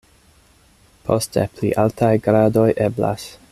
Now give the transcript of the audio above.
Poste pli altaj gradoj eblas.